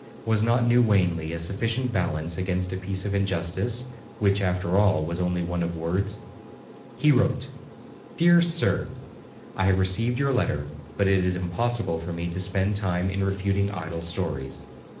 Was not New Wanley a sufficient balance against a piece of injustice, which, after all, was only one of words? He wrote: 'DEAR SIR, I have received your letter, but it is impossible for me to spend time in refuting idle stories.